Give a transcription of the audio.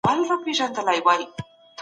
د ناروغ په ادرار کې وینه د خطر نښه ده.